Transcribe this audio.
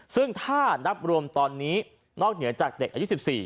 ซึ่งถ้านับรวมตอนนี้นอกเหนือจากเด็กอายุ๑๔